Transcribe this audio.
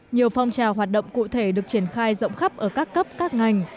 nhiều phong trào hoạt động cụ thể được triển khai rộng khắp ở các cấp các ngành